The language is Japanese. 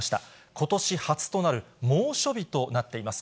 ことし初となる猛暑日となっています。